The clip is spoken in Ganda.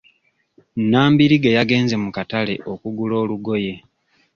Nambirige yagenze mu katale okugula olugoye.